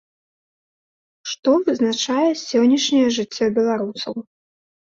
Што вызначае сённяшняе жыццё беларусаў?